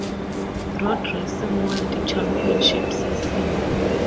Road Racing World Championship season.